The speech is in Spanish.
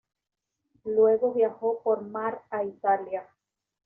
Luego viajó por mar a Italia.